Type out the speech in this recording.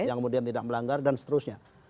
yang kemudian tidak melanggar dan seterusnya